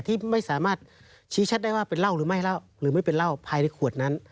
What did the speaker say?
ที่ไม่สามารถชี้ชัดได้ว่าเป็นเหล้าหรือไม่เล่าหรือไม่เป็นเหล้าภายในขวดนั้น